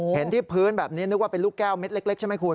เห็นที่พื้นแบบนี้นึกว่าเป็นลูกแก้วเม็ดเล็กใช่ไหมคุณ